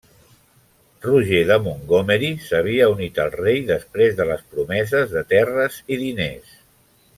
Roger de Montgomery s'havia unit al rei després de les promeses de terres i diners.